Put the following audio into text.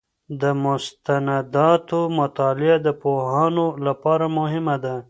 د مستنداتو مطالعه د پوهاندانو لپاره مهمه ده.